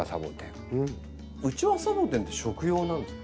ウチワサボテンって食用なんですか？